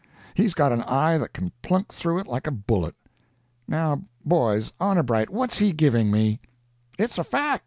he's got an eye 't can plunk through it like a bullet." "Now, boys, honor bright, what's he giving me?" "It's a fact!"